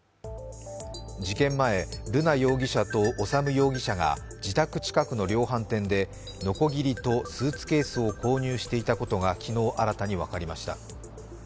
事件前、瑠奈容疑者と修容疑者が自宅近くの量販店でのこぎりとスーツケースを購入していたことが昨日新たに分かりました。